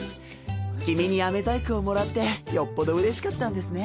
君にアメ細工をもらってよっぽどうれしかったんですね。